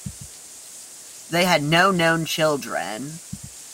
They had no known children.